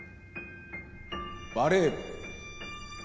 バレー部。